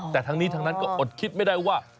แต่ทั้งนี้ทั้งนั้นก็อดคิดไม่ได้ว่า